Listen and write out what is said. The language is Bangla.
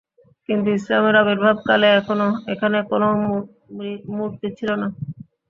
কিন্তু ইসলামের আবির্ভাব কালে এখানে কোন মূর্তি ছিল না।